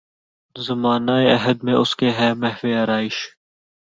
زمانہ عہد میں اس کے ہے محو آرایش